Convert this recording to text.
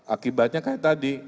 akibatnya kayak tadi